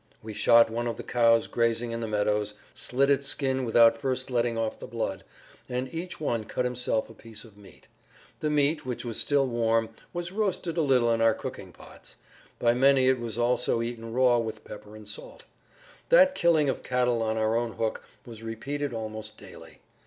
We shot one of the cows grazing in the meadows, slit its skin without first letting off the blood, and each one cut himself a piece of meat. The meat, which was still warm, was roasted a little in our cooking pots. By many it was also eaten raw with pepper and salt. That killing of cattle on our own hook was repeated almost daily.